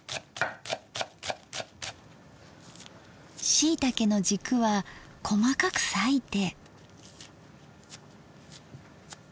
しいたけのじくは細かく裂いて。